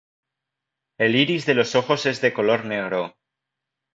El iris de los ojos es de color negro.